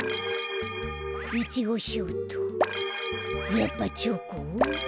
やっぱチョコ？